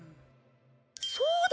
そうだ！